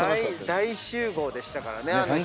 大集合でしたからねあの日。